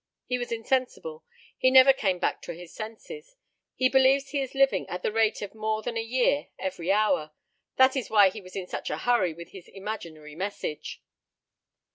He was insensible. He never came back to his senses. He believes he is living at the rate of more than a year every hour. This is why he was in such a hurry with his imaginary message."